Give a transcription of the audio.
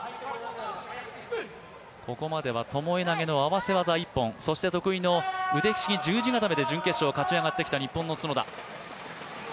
ここまではともえ投げの合わせ技一本、そして得意の腕ひしぎ十字固めで勝ち上がってきた日本の角田。